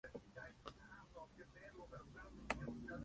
Más adelante formaría y dirigiría un trío de Jazz.